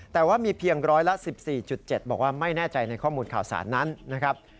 แต่ว่ามีเพียงร้อยละ๑๔๗บอกว่าไม่แน่ใจในข้อมูลข่าวสารนั้นนะครับ